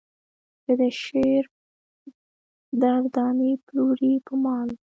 چې د شعر در دانې پلورې په مال.